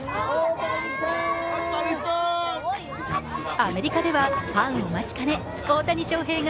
アメリカではファンお待ちかね大谷翔平が